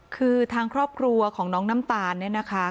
คือทางครอบครัวของน้องน้ำตาลเนี่ยนะคะ